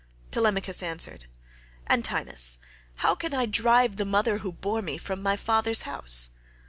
Telemachus answered, "Antinous, how can I drive the mother who bore me from my father's house?